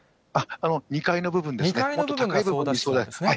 ２階の部分ですね。